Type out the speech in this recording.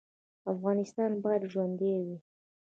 افغانستان باید ژوندی وي